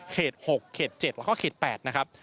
๖เขต๗แล้วก็เขต๘นะครับ